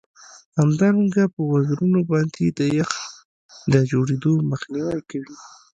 همدارنګه په وزرونو باندې د یخ د جوړیدو مخنیوی کوي